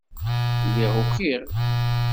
Lliɣ ukiɣ.